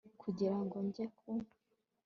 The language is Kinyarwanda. kugira ngo njye ku